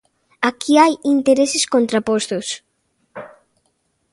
Aquí hai intereses contrapostos.